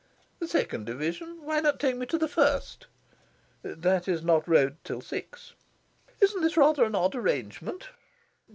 "The Second Division? Why not take me to the First?" "That is not rowed till six." "Isn't this rather an odd arrangement?"